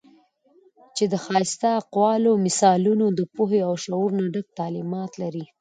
چې د ښائسته اقوالو، مثالونو د پوهې او شعور نه ډک تعليمات لري